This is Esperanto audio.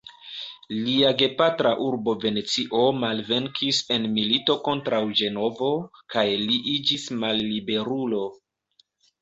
Lia gepatra urbo Venecio malvenkis en milito kontraŭ Ĝenovo kaj li iĝis malliberulo.